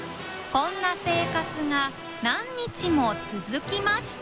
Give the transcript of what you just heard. こんな生活が何日も続きました